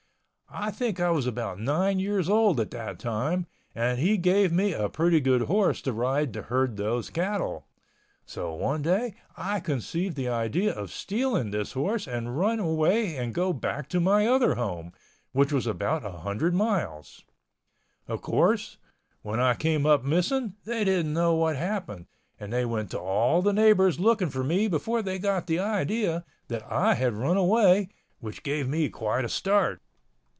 I think I was about nine years old at that time and he gave me a pretty good horse to ride to herd those cattle. So one day I conceived the idea of stealing this horse and run away and go back to my other home, which was about 100 miles. Of course, when I came up missing they didn't know what happened and they went to all the neighbors looking for me before they got the idea that I had run away, which gave me quite a start.